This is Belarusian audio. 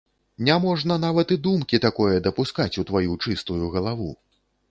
Не можна нават і думкі такое дапускаць у тваю чыстую галаву.